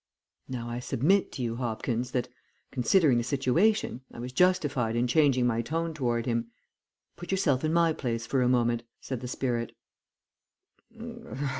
"Now I submit to you, Hopkins, that, considering the situation, I was justified in changing my tone toward him. Put yourself in my place for a moment," said the spirit.